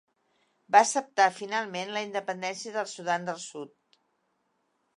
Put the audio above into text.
Va acceptar finalment la independència del Sudan del Sud.